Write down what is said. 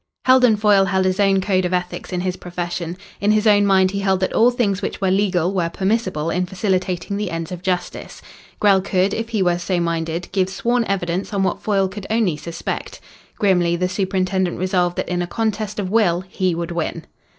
Heldon Foyle held his own code of ethics in his profession. In his own mind he held that all things which were legal were permissible in facilitating the ends of justice. Grell could, if he were so minded, give sworn evidence on what Foyle could only suspect. Grimly the superintendent resolved that in a contest of will he would win.